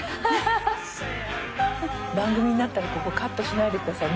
番組になったらここカットしないでください。